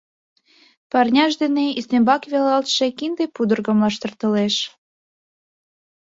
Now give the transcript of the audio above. Парняж дене ӱстембак велалтше кинде пудыргым лаштыртылеш.